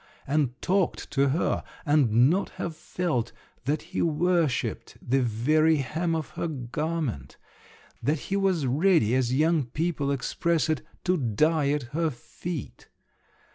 —and talked to her and not have felt that he worshipped the very hem of her garment, that he was ready as young people express it "to die at her feet."